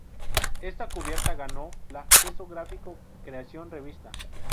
Esta cubierta ganó la Esso gráfico creación revista.